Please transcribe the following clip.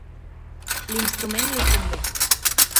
L'instrument li convé.